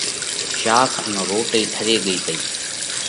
شاک ان روٽي ٺري ڳي تي۔